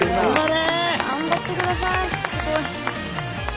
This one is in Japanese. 頑張ってください。